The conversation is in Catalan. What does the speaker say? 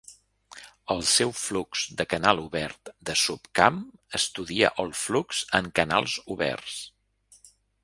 El seu flux de canal obert de subcamp estudia el flux en canals oberts.